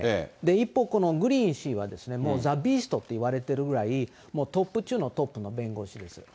一方、このグリーン氏はですね、もうザ・ビーストっていわれてるぐらい、もうトップ中のトップの弁護士です。